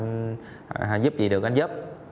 anh giúp gì được anh giúp